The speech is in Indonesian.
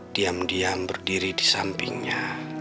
diam diam berdiri di sampingnya